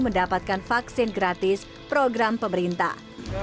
mendapatkan vaksin gratis program pemerintah